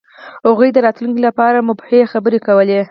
هغوی د راتلونکي لپاره مبهمې خبرې کولې.